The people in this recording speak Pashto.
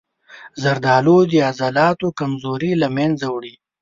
زردآلو د عضلاتو کمزوري له منځه وړي.